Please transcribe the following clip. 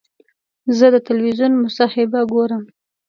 زه د تلویزیون مصاحبه ګورم.